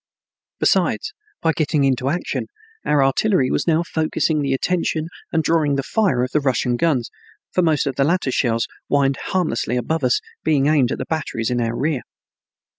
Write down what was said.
Besides, by getting into action, our artillery was now focusing the attention and drawing the fire of the Russian guns, for most of the latter's shells whined harmlessly above us, being aimed at the batteries in our rear.